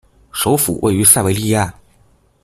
首府位于塞维利亚。